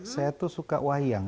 saya tuh suka wayang